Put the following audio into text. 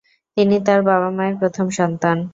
তিনি তার বাবা-মায়ের প্রথম সন্তান।